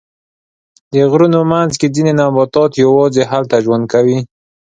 د غرونو منځ کې ځینې نباتات یواځې هلته ژوند کوي.